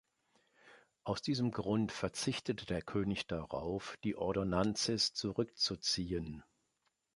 Aus diesem Grund verzichtete der König darauf, die „Ordonnances“ zurückzuziehen.